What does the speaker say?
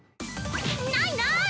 ないない！